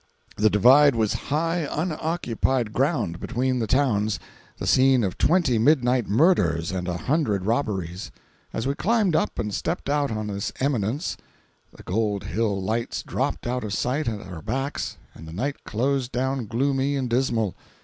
The "divide" was high, unoccupied ground, between the towns, the scene of twenty midnight murders and a hundred robberies. As we climbed up and stepped out on this eminence, the Gold Hill lights dropped out of sight at our backs, and the night closed down gloomy and dismal.